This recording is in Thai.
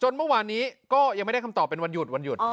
เมื่อวานนี้ก็ยังไม่ได้คำตอบเป็นวันหยุดวันหยุด